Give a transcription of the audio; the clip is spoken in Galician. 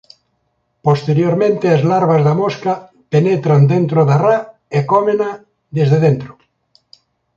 Posteriormente as larvas da mosca penetran dentro da ra e cómena desde dentro.